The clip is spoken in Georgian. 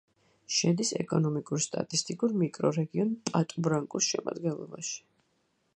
შედის ეკონომიკურ-სტატისტიკურ მიკრორეგიონ პატუ-ბრანკუს შემადგენლობაში.